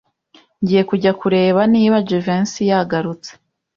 Ngiye kujya kureba niba Jivency yagarutse.